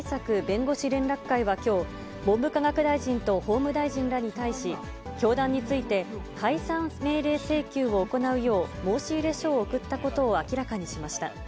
弁護士連絡会はきょう、文部科学大臣と法務大臣らに対し、教団について解散命令請求を行うよう申し入れ書を送ったことを明らかにしました。